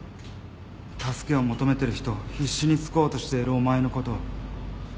助けを求めてる人を必死に救おうとしているお前のことを。